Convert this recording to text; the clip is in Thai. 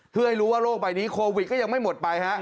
เพื่อให้รู้ว่าโลกใบนี้โควิดก็ยังไม่หมดไปฮะ